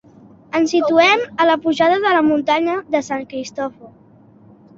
El situem a la pujada de la muntanya de Sant Cristòfol.